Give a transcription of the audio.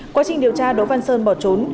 quá trình điều tra đỗ văn sơn bỏ trốn